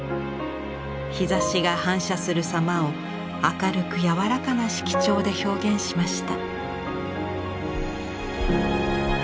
日ざしが反射するさまを明るく柔らかな色調で表現しました。